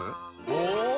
お！